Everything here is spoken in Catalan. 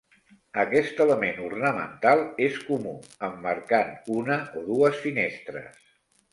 Aquest element ornamental és comú, emmarcant una o dues finestres.